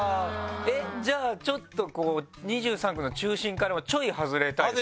えっじゃあちょっと２３区の中心からはちょい外れたいですね。